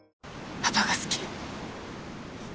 パパが好き？